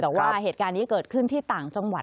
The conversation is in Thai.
แต่ว่าเหตุการณ์นี้เกิดขึ้นที่ต่างจังหวัด